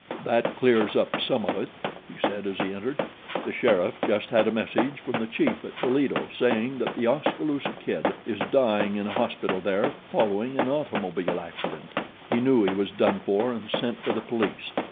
"That clears up some of it," he said as he entered. "The sheriff just had a message from the chief at Toledo saying that The Oskaloosa Kid is dying in a hospital there following an automobile accident. He knew he was done for and sent for the police.